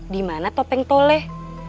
dimana topeng toleh